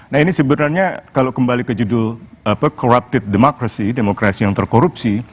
nah ini sebenarnya kalau kembali ke judul corrupted demokrasi yang terkorupsi